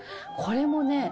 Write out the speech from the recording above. これもね。